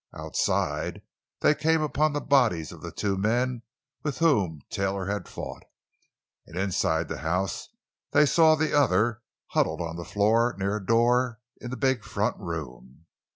Outside they came upon the bodies of the two men with whom Taylor had fought. And inside the house they saw the other huddled on the floor near a door in the big front room.